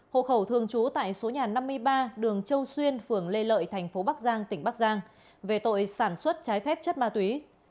hộ khẩu thường trú tại số nhà năm mươi ba đường châu xuyên phường lê lợi thành phố bắc giang tỉnh bắc giang về tội sản xuất trái phép chất ma túy